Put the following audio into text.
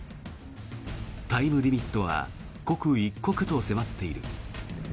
タイムリミットは刻一刻と迫っている。